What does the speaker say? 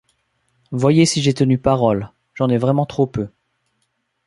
Voyez si j'ai tenu parole ; j'en ai vraiment trop peu.